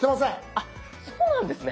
あっそうなんですね。